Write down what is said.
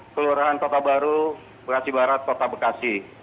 kelurahan kota baru bekasi barat kota bekasi